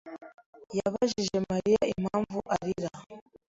yabajije Mariya impamvu arira.